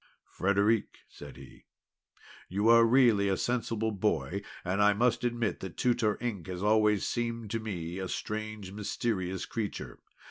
"Frederic," said he, "you are really a sensible boy, and I must admit that Tutor Ink has always seemed to me a strange mysterious creature.